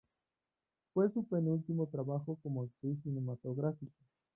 Fue su penúltimo trabajo como actriz cinematográfica.